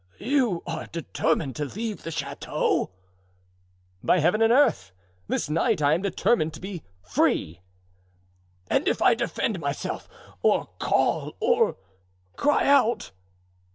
"You are determined to leave the chateau?" "By Heaven and earth! This night I am determined to be free." "And if I defend myself, or call, or cry out?"